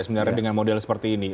sebenarnya dengan model seperti ini